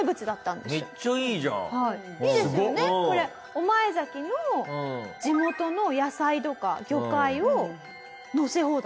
御前崎の地元の野菜とか魚介をのせ放題。